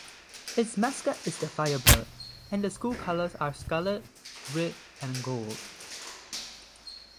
Its mascot is the firebird, and the school colors are scarlet, red, and gold.